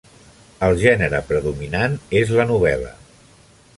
El gènere predominant és la novel·la.